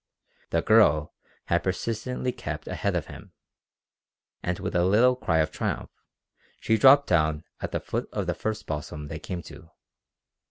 The girl had persistently kept ahead of him, and with a little cry of triumph she dropped down at the foot of the first balsam they came to.